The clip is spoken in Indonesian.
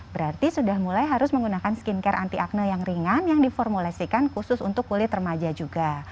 berarti sudah mulai harus menggunakan skincare anti akne yang ringan yang diformulasikan khusus untuk kulit remaja juga